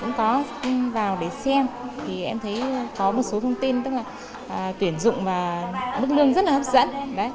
nó rất là tuyển dụng và đức lương rất là hấp dẫn